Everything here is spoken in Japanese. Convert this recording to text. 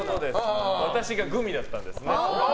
私がグミだったんです。